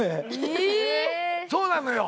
そうなのよ。